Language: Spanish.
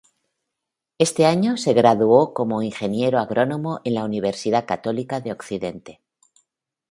Ese año se graduó como Ingeniero Agrónomo en la Universidad Católica de Occidente.